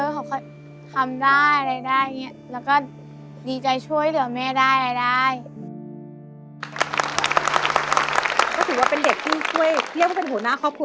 เขาก็ต้องมีฝันของเขา